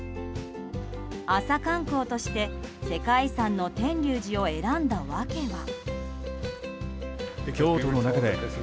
朝観光として世界遺産の天龍寺を選んだ訳は。